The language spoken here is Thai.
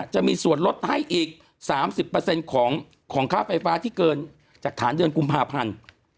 จะมีส่วนลดให้อีก๓๐ของค่าไฟฟ้าที่เกินจากฐานเดือนกุมภาพันธ์